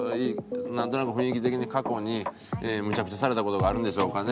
なんとなく雰囲気的に過去にめちゃくちゃされた事があるんでしょうかね？